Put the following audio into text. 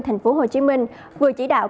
tp hcm vừa chỉ đạo